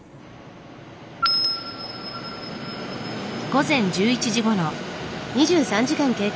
午前１１時ごろ。